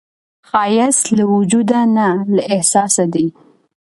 ښایست له وجوده نه، له احساسه دی